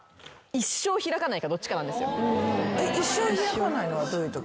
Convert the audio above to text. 一生開かないのはどういうとき？